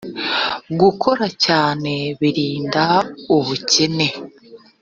gukoracyane birinda ubukene.